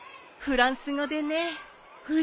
フランス語で？